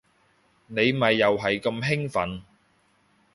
你咪又係咁興奮